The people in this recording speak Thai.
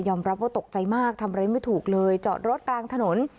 รับว่าตกใจมากทำอะไรไม่ถูกเลยจอดรถกลางถนน